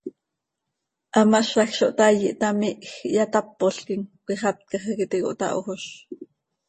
Hamazaj zo htaai, ihtamihj, ihyatápolquim, cöixatcaj hac iti cohtahojoz.